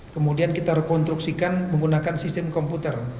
kemudian kita rekonstruksikan menggunakan sistem komputer